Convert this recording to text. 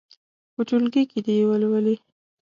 په ټولګي کې دې یې ولولي.